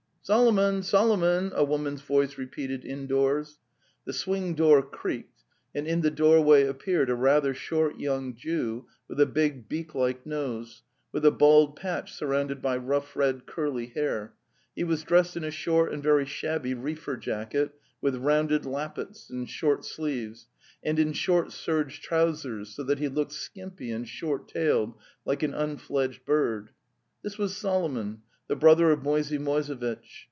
'Solomon! Solomon! "' a woman's voice repeated indoors. The swing door creaked, and in the doorway ap peared a rather short young Jew with a big beak like nose, with a bald patch surrounded by rough red curly hair; he was dressed in a short and very shabby reefer jacket, with rounded lappets and short sleeves, and in short serge trousers, so that he looked skimpy and short tailed like an unfledged bird. This was Solomon, the brother of Moisey Moise vitch.